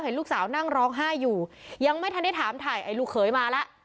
เห็นลูกสาวนั่งร้องไห้อยู่ยังไม่ทันได้ถามถ่ายไอ้ลูกเขยมาแล้ว